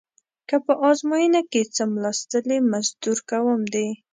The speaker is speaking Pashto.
که په ازموینه کې څملاستلې مزدور کوم دې.